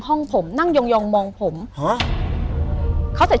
อเรนนี่แกร่งอเรนนี่แกร่ง